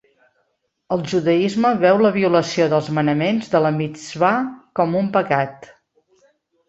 El judaisme veu la violació dels manaments de la mitsvà com un pecat.